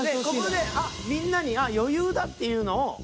ここでみんなに「あっ余裕だ」っていうのを。